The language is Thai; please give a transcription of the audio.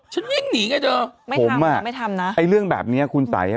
ฉันเร่งหนีไงเถอะไม่ทำไม่ทำนะผมอ่ะไอ้เรื่องแบบเนี้ยคุณสัยอ่ะ